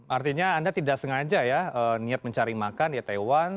artinya anda tidak sengaja ya niat mencari makan di taiwan